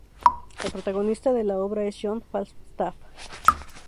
El protagonista de la obra es John Falstaff.